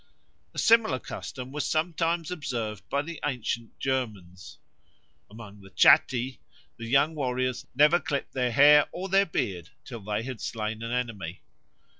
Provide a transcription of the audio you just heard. A similar custom was sometimes observed by the ancient Germans; among the Chatti the young warriors never clipped their hair or their beard till they had slain an enemy.